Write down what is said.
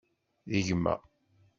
D gma.